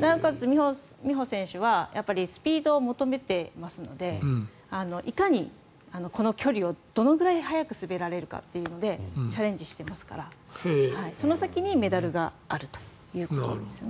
なおかつ、美帆選手はスピードを求めてますのでいかにこの距離をどのくらい速く滑れるかというのでチャレンジしていますからその先にメダルがあるということです。